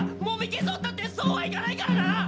もみ消そうったってそうはいかないからな！